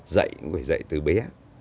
dậy cũng phải dậy từ bé